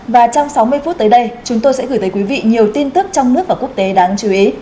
và trong sáu mươi phút tới đây chúng tôi sẽ gửi tới quý vị nhiều tin tức trong nước và quốc tế đáng chú ý